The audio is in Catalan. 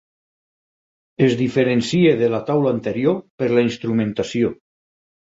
Es diferencia de la taula anterior per la instrumentació.